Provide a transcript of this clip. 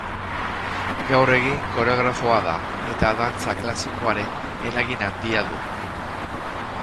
Gaur egun, koreografoa da, eta dantza klasikoaren eragin handia du.